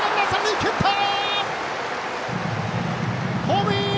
ホームイン！